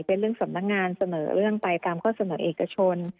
เป็นเรื่องสำนักงานเสนอเรื่องไปตามข้อเสนอเอกชน